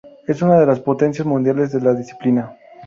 Es una de las potencias mundiales de la disciplina.